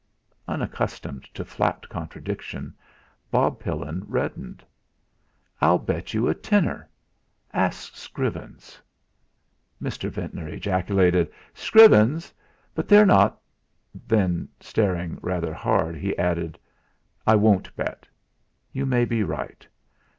Unaccustomed to flat contradiction, Bob Pillin reddened. "I'll bet you a tenner. Ask Scrivens." Mr. Ventnor ejaculated: "Scrivens but they're not " then, staring rather hard, he added: "I won't bet. You may be right.